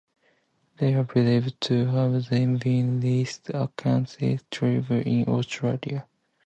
They are believed to have been the last uncontacted tribe in Australia.